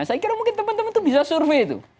saya kira mungkin teman teman itu bisa survei itu